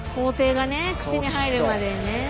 口に入るまでにね。